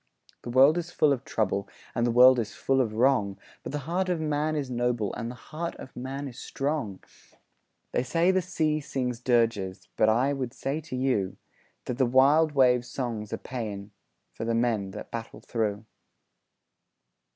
The world is full of trouble, And the world is full of wrong, But the heart of man is noble, And the heart of man is strong! They say the sea sings dirges, But I would say to you That the wild wave's song's a paean For the men that battle through.